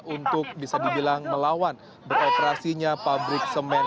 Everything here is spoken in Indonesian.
untuk bisa dibilang melawan beroperasinya pabrik semen